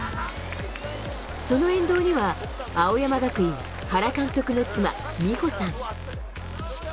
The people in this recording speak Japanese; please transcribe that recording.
その沿道には、青山学院、原監督の妻、美穂さん。